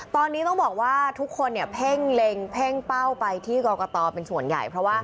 ตอนนี้ต้องบอกว่าทุกคนเนี่ยเพ่งเล็งเพ่งเป้าไปที่กรกตเป็นส่วนใหญ่เพราะว่า